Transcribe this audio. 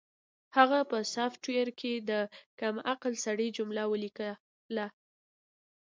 هغه په سافټویر کې د کم عقل سړي جمله ولیکله